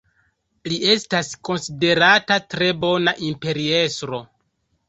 Li estas konsiderata tre bona imperiestro.